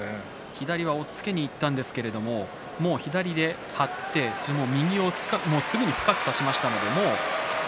左は押っつけにいったんですけれども左で張って右をすぐに深く差しました。